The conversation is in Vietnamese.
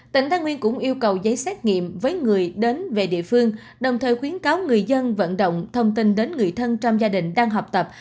tỉnh thái nguyên cũng yêu cầu giấy xét nghiệm với người đến về địa phương đồng thời khuyến cáo người dân vận động thông tin đến người thân trong gia đình đang học tập